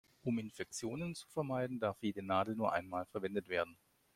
Um Infektionen zu vermeiden, darf jede Nadel nur einmal verwendet werden.